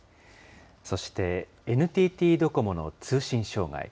そして、ＮＴＴドコモの通信障害。